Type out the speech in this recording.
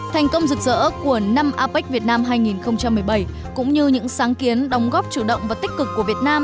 thành công rực rỡ của năm apec việt nam hai nghìn một mươi bảy cũng như những sáng kiến đóng góp chủ động và tích cực của việt nam